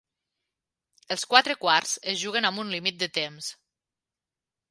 Els quatre quarts es juguen amb un límit de temps.